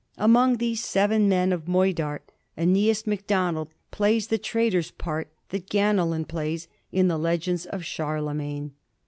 Among these Seven Men of Moidart, iEneas Macdonald plays the traitor's part that Ganelon plays in the legends of Charle* magne.